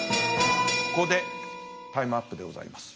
ここでタイムアップでございます。